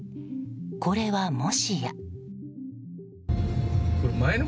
これはもしや。